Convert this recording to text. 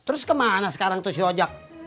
terus kemana sekarang tuh si ojok